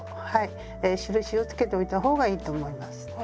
はい印をつけておいた方がいいと思います。